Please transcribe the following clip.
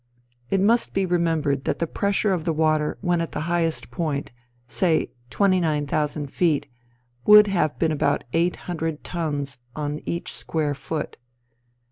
It must be remembered that the pressure of the water when at the highest point say twenty nine thousand feet, would have been about eight hundred tons on each square foot.